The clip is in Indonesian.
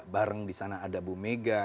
bareng disana ada bu mega